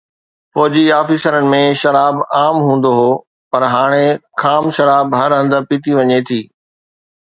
فوجي آفيسرن ۾ شراب عام هوندو هو، پر هاڻي خام شراب هر هنڌ پيئي وڃي ٿي